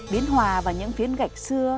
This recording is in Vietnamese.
biến hòa vào những phiến gạch xưa